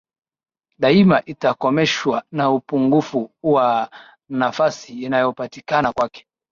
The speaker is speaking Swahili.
daima itakomeshwa na upungufu wa nafasi inayopatikana kwake